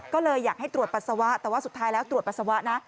ก็เลยอยากให้ตรวจปัสสาวะแต่ว่าสุดท้ายแล้วตรวจปัสสาวะนะ